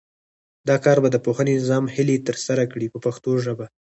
دا کار به د پوهنې نظام هیلې ترسره کړي په پښتو ژبه.